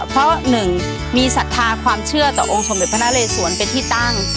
เพราะหนึ่งมีศรัทธาความเชื่อต่อองค์สมเด็จพระนาเลสวนเป็นที่ตั้ง